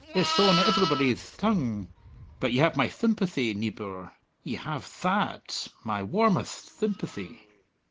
It'th on everybody'th tongue. But ye have my thympathy, neebour, ye have tha at my warmetht thympathy."